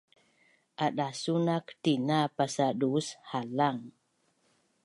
Adasunak tina pasaduus halang